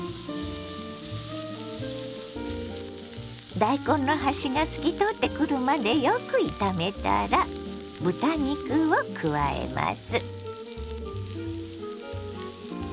大根の端が透き通ってくるまでよく炒めたら豚肉を加えます。